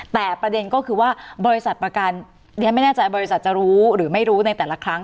แต่ประเด็นก็คือว่าบริษัทประกันเรียนไม่แน่ใจบริษัทจะรู้หรือไม่รู้ในแต่ละครั้ง